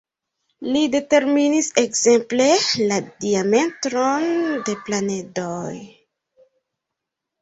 Li determinis ekzemple, la diametron de planedoj.